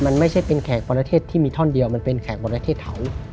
มันไม่ใช่เป็นแขกประเทศที่มีท่อนเดียวมันเป็นแขกประเทศเถา